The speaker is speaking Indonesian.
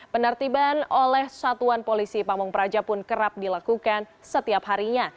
penertiban oleh satuan polisi pamung praja pun kerap dilakukan setiap harinya